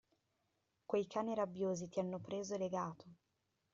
Quei cani rabbiosi ti hanno preso e legato.